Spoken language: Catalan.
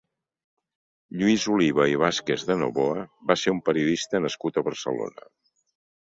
Lluís Oliva i Vázquez de Novoa va ser un periodista nascut a Barcelona.